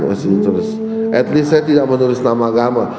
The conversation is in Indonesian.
at least saya tidak menulis nama agama